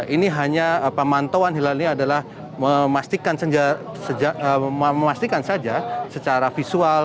ini hanya pemantauan hilal ini adalah memastikan saja secara visual